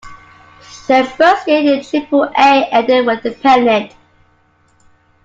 Their first year in Triple-A ended with a pennant.